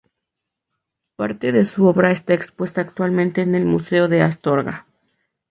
Parte de su obra está expuesta actualmente en el museo de Astorga.